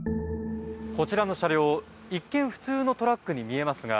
こちらの車両一見普通のトラックに見えますが